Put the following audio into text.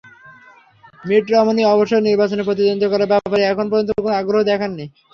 Meet Romney অবশ্য নির্বাচনে প্রতিদ্বন্দ্বিতা করার ব্যাপারের এখন পর্যন্ত কোনো আগ্রহ দেখাননি।